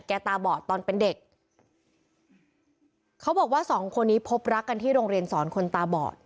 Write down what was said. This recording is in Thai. ตาบอดตอนเป็นเด็กเขาบอกว่าสองคนนี้พบรักกันที่โรงเรียนสอนคนตาบอด